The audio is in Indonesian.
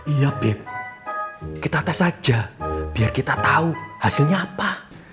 iya bem kita tes saja biar kita tahu hasilnya apa